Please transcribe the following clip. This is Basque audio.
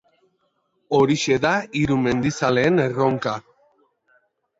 Horixe da hiru mendizaleen erronka.